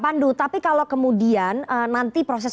pandu tapi kalau kemudian nanti proses